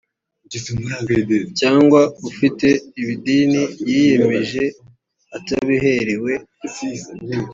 cyangwa ufite ibidni yiyemeje atabiherewe